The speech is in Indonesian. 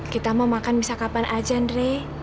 kita mau makan bisa kapan aja dre